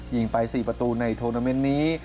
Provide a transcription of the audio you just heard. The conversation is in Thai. ยิงไป๔ประตูในโทรนาเมนต์นี้